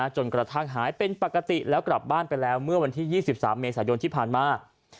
จนกระทั่งหายเป็นปกติแล้วกลับบ้านไปแล้วเมื่อวันที่๒๓เมษายนที่ผ่านมา